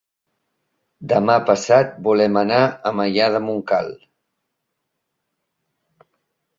Demà passat volem anar a Maià de Montcal.